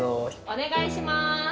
・お願いします！